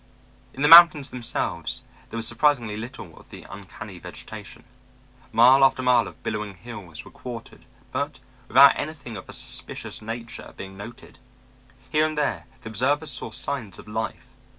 In the mountains themselves, there was surprisingly little of the uncanny vegetation. Mile after mile of billowing hills were quartered, but without anything of a suspicious nature being noted. Here and there the observers saw signs of life.